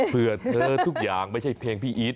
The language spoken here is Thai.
เธอทุกอย่างไม่ใช่เพลงพี่อีท